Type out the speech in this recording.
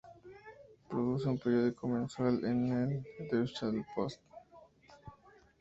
Produce un periódico mensual, el "Deutschland-Post".